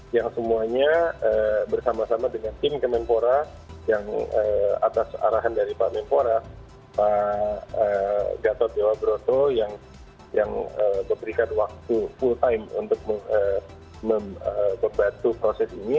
yang semuanya bersama sama dengan tim kemenpora yang atas arahan dari pak menpora pak gatot dewa broto yang memberikan waktu full time untuk membantu proses ini